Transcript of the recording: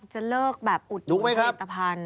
จะเลิกแบบอุดผลิตภัณฑ์